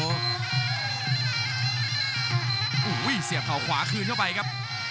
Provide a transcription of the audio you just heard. อุ้ยเสียบข่าวขวาคลื่นเข้าไปครับ